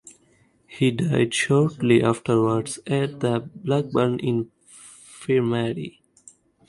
He died shortly afterwards at the Blackburn Infirmary.